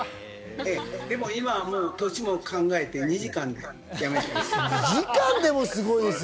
でも今は年も考えて、２時間でやめています。